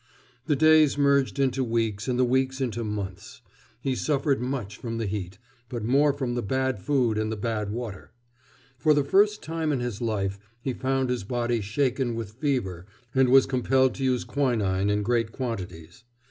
The days merged into weeks, and the weeks into months. He suffered much from the heat, but more from the bad food and the bad water. For the first time in his life he found his body shaken with fever and was compelled to use quinin in great quantities.